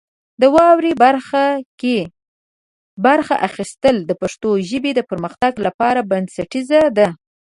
د واورئ برخه کې برخه اخیستنه د پښتو ژبې د پرمختګ لپاره بنسټیزه ده.